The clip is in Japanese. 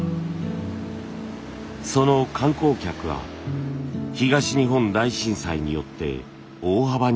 その観光客は東日本大震災によって大幅に減少。